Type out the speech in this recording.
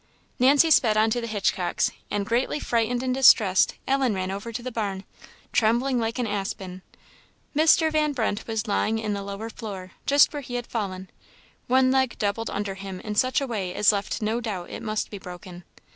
Nancy sped on to the Hitchcock's; and, greatly frightened and distressed, Ellen ran over to the barn, trembling like an aspen. Mr. Van Brunt was lying in the lower floor, just where he had fallen, one leg doubled under him in such a way as left no doubt it must be broken.